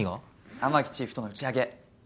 雨樹チーフとの打ち上げ。